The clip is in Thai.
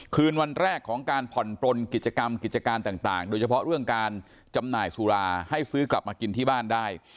คืนวันแรกของการผ่อนปลนกิจกรรมกิจการต่างโดยเฉพาะเรื่องการจำหน่ายสุราให้ซื้อกลับมากินที่บ้านได้